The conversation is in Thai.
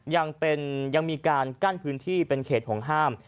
ยังมีการกั้นพื้นที่เป็นเขตห่วงห้าม